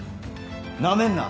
なめんな！